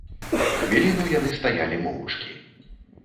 Хвіліну яны стаялі моўчкі.